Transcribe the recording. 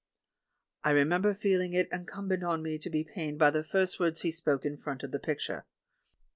I remexiber feeling it incumbent on me to be pained bj^ the first words he spoke in front of tKe picture.